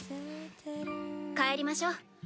帰りましょう。